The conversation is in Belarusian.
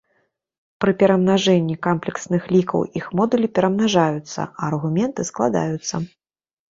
Пры перамнажэнні камплексных лікаў іх модулі перамнажаюцца, а аргументы складаюцца.